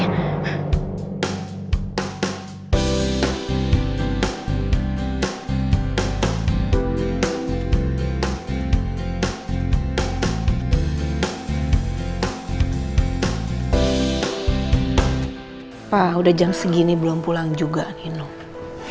apa udah jam segini belum pulang juga nih noh